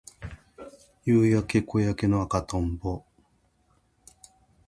夕焼け小焼けの赤とんぼ